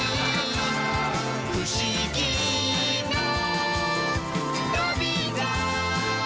「ふしぎのとびら！」